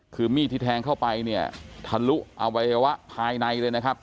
คือมีดที่แทงเข้าไปเนี่ยทะลุอวัยวะภายในเลยนะครับ